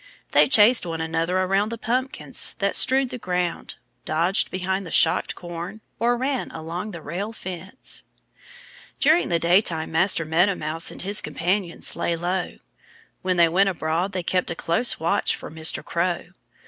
They chased one another around the pumpkins that strewed the ground, dodged behind the shocked corn, or ran along the rail fence. During the daytime Master Meadow Mouse and his companions lay low. When they went abroad they kept a close watch for Mr. Crow.